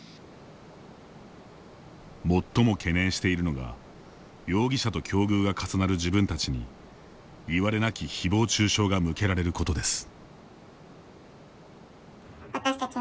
最も懸念しているのが容疑者と境遇が重なる自分たちにいわれなきひぼう中傷が向けられることです。